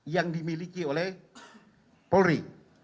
yang dimiliki oleh polri